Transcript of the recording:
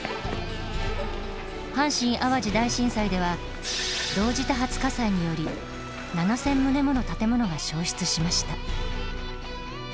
阪神・淡路大震災では同時多発火災により７，０００棟もの建物が焼失しました。